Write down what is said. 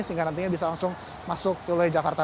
sehingga nantinya bisa langsung masuk ke wilayah jakarta